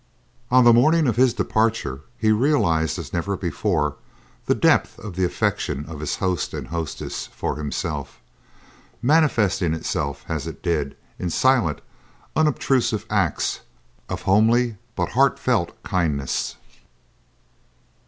On the morning of his departure he realized as never before the depth of the affection of his host and hostess for himself, manifesting itself as it did in silent, unobtrusive acts of homely but heartfelt kindness.